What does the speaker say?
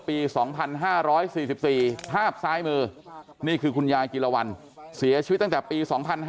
ปี๒๕๔๔ทาบซ้ายมือนี่คือคุณยายจิรวรรณเสียชีวิตตั้งแต่ปี